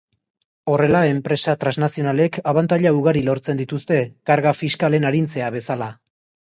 Horrela enpresa trasnazionalek abantaila ugari lortzen dituzte, karga fiskalen arintzea bezala.